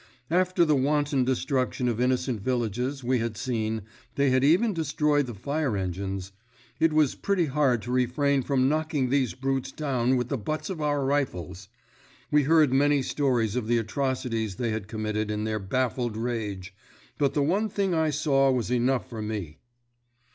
After the wanton destruction of innocent villages we had seen—they had even destroyed the fire engines—it was pretty hard to refrain from knocking these brutes down with the butts of our rifles. We heard many stories of the atrocities they had committed in their baffled rage, but the one thing I saw was enough for me.